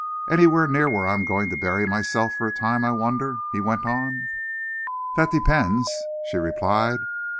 "Anywhere near where I am going to bury myself for a time, I wonder?" he went on. "That depends," she replied.